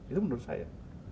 itu menurut saya